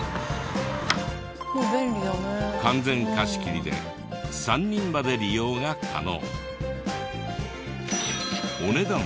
完全貸し切りで３人まで利用が可能。